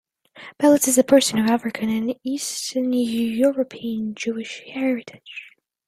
Bellos is a person of African and Eastern European Jewish heritage.